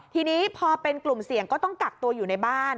ทีนี้พอเป็นกลุ่มเสี่ยงก็ต้องกักตัวอยู่ในบ้าน